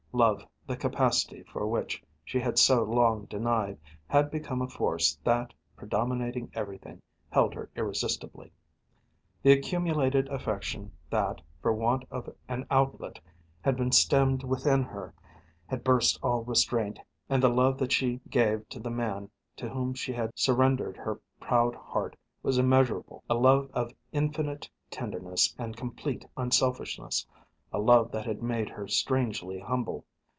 Love, the capacity for which she had so long denied, had become a force that, predominating everything, held her irresistibly. The accumulated affection that, for want of an outlet, had been stemmed within her, had burst all restraint, and the love that she gave to the man to whom she had surrendered her proud heart was immeasurable a love of infinite tenderness and complete unselfishness, a love that had made her strangely humble.